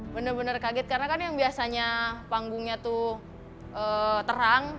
benar benar kaget karena kan yang biasanya panggungnya tuh terang